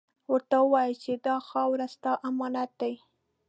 ورته ووایه چې دا خاوره ، ستا امانت ده.